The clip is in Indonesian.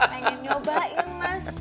pengen nyobain mas